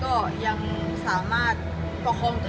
ก็ขอบคุณค่ะแล้วก็อย่าลืมให้กำลังใจเมย์ในรายการต่อไปนะคะ